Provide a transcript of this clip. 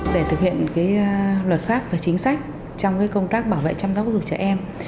để thực hiện cái luật pháp và chính sách trong cái công tác bảo vệ chăm sóc và giáo dục trẻ em